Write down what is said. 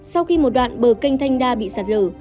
sau khi một đoạn bờ kênh thanh đa bị sạt lở